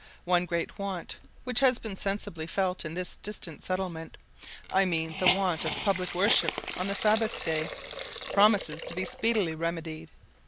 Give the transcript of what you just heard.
One great want which has been sensibly felt in this distant settlement, I mean the want of public worship on the Sabbath day, promises to be speedily remedied.